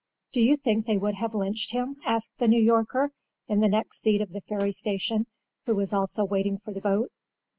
"Do you think they would have lynched him?" asked the New Yorker, in the next seat of the ferry station, who was also waiting for the boat.